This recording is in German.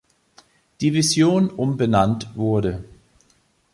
Division umbenannt wurde.